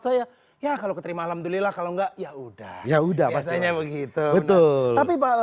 saya ya kalau keterima alhamdulillah kalau nggak ya udah ya udah maksudnya begitu betul tapi pak